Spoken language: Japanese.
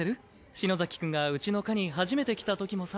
篠崎くんがうちの課に初めて来た時もさ。